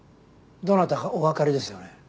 どなたかおわかりですよね？